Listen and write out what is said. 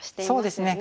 そうですね。